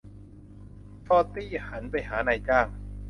ชอร์ตี้หันไปหานายจ้าง